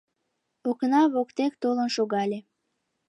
Окна воктек толын шогале.